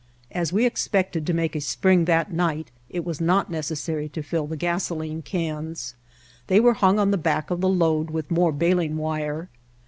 As we expected to make a spring that night it was not necessary to fill the gasoline cans. They were hung on the back of the load with more baling wire.